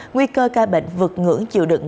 nguy cơ ca bệnh vượt ngưỡng chịu đựng